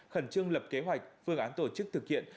khẩn trương lập kế hoạch phương án tổ chức thực hiện